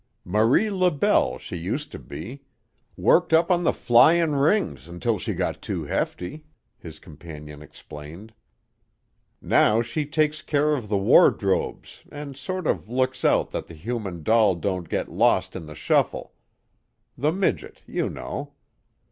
"Marie LaBelle she used to be; worked up on the flyin' rings until she got too hefty," his companion explained. "Now she takes care of the wardrobes and sort of looks out that the Human Doll don't get lost in the shuffle; the midget, you know.